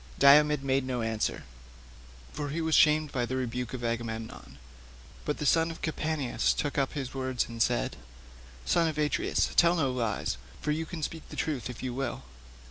Diomed made no answer, for he was shamed by the rebuke of Agamemnon; but the son of Capaneus took up his words and said, "Son of Atreus, tell no lies, for you can speak truth if you will.